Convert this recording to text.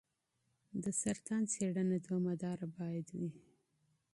د سرطان څېړنه دوامداره باید وي.